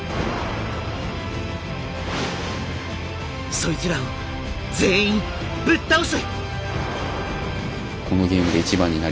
そいつらを全員ぶっ倒す！